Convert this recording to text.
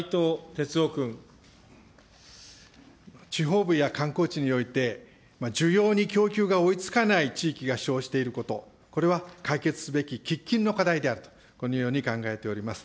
地方部や観光地において、需要に供給が追いつかない地域が生じていること、これは解決すべき喫緊の課題であると、このように考えております。